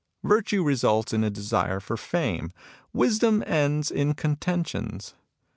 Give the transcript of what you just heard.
Virtue results in a desire for fame ; wisdom ends in contentions.